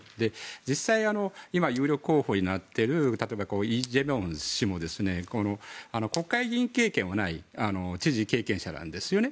実際に今、有力候補になっている例えばイ・ジェミョン氏も国会議員経験はない知事経験者なんです。